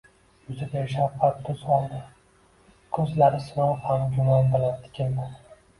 Yuzi beshafqat tus oldi. Ko‘zlari sinov ham gumon bilan tikildi.